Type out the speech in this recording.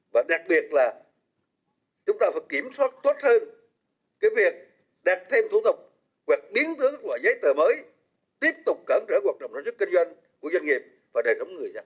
và đặc biệt là chúng ta phải kiểm soát tốt hơn cái việc đạt thêm thủ tục hoặc biến tướng các loại giấy tờ mới tiếp tục cản trở hoạt động sản xuất kinh doanh của doanh nghiệp và đại dòng người dân